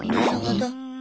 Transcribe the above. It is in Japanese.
なるほど。